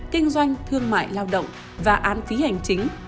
kinh doanh thương mại lao động và án phí hành chính